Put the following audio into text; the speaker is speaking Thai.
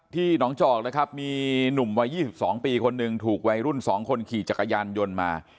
หนองจอกนะครับมีหนุ่มวัย๒๒ปีคนหนึ่งถูกวัยรุ่น๒คนขี่จักรยานยนต์มา